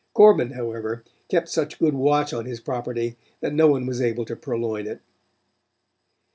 Corbin, however, kept such good watch on his property that no one was able to purloin it.